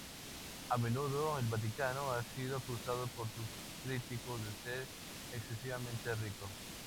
A menudo, el Vaticano ha sido acusado por sus críticos de ser excesivamente rico.